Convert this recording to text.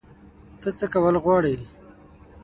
ته څه کول غواړې؟